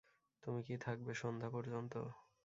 তুমি কি থাকবে সন্ধ্যা পর্যন্ত?